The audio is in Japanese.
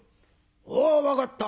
「おう分かった。